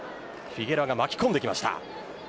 フィゲロアが巻き込んでいきました。